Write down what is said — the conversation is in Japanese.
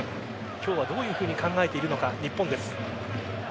今日はどういうふうに考えているのか日本です。